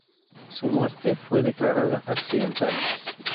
Su muerte fue declarada accidental.